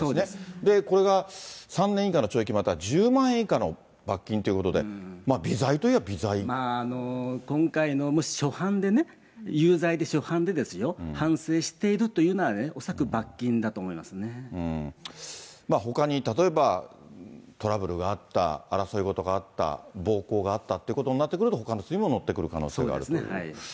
で、これが３年以下の懲役または１０万円以下の罰金ということで、微今回、初犯で、有罪で初犯でですよ、反省しているというなら恐らく罰金ほかに例えば、トラブルがあった、争いごとがあった、暴行があったっていうことになってくると、ほかの罪も乗ってくる可能性があると。